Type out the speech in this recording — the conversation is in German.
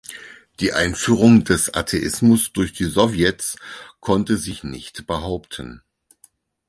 Die Einführung des Atheismus durch die Sowjets konnte sich nicht behaupten.